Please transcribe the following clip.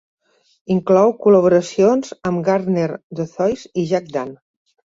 Inclou col·laboracions amb Gardner Dozois i Jack Dann.